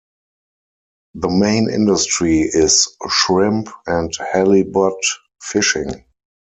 The main industry is shrimp and halibut fishing.